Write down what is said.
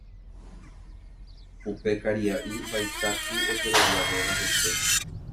Upe karia'y vaicháku ojeroviavéva hese